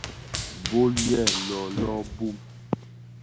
Bòl yêê lôlôo bum.